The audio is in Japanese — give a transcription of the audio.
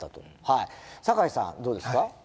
はい坂井さんどうですか？